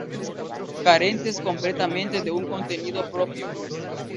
Carentes completamente de un contenido propio.